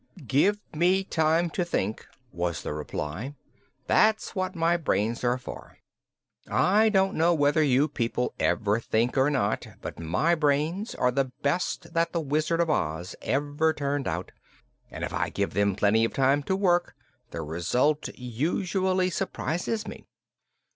"Give me time to think," was the reply. "That's what my brains are for. I don't know whether you people ever think, or not, but my brains are the best that the Wizard of Oz ever turned out, and if I give them plenty of time to work, the result usually surprises me."